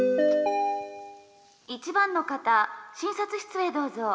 「１番の方診察室へどうぞ」。